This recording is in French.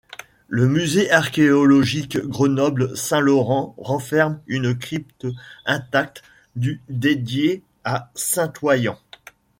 Le musée archéologique Grenoble Saint-Laurent renferme une crypte intacte du dédiée à saint Oyand.